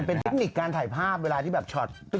เป็นเทคนิคการถ่ายภาพเวลาที่แบบช็อต